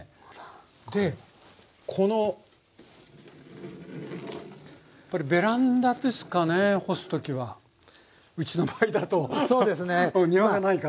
でこのやっぱりベランダですかね干す時はうちの場合だと庭がないから。